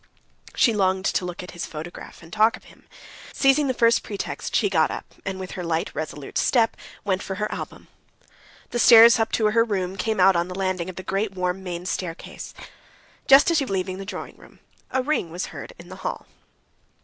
She longed to look at his photograph and talk of him. Seizing the first pretext, she got up, and with her light, resolute step went for her album. The stairs up to her room came out on the landing of the great warm main staircase. Just as she was leaving the drawing room, a ring was heard in the hall.